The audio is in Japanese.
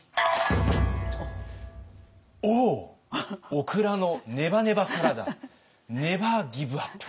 オクラのネバネバサラダでネバーギブアップ！」。